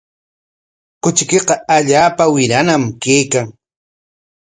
Kuchiykiqa allaapa wirañam kaykan.